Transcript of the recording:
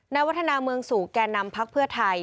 วัฒนาเมืองสู่แก่นำพักเพื่อไทย